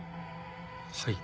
はい。